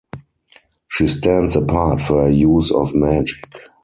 She stands apart for her use of magic.